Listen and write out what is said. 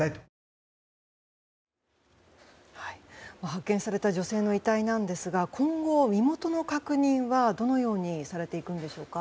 発見された女性の遺体なんですが今後、身元の確認はどのようにされていくんでしょうか。